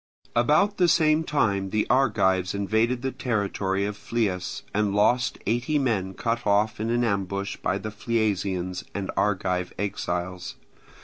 About the same time the Argives invaded the territory of Phlius and lost eighty men cut off in an ambush by the Phliasians and Argive exiles.